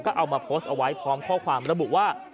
ก็เอามาโพสต์เอาไว้พร้อมข้อความระบุว่า